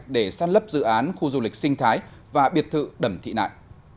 để xác lấp dự án khu du lịch sinh thái và biệt thự đầm thị nại